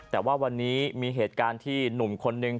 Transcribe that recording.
แต่ว่าวันนี้มีเหตุการณ์ที่หนุ่มคนนึง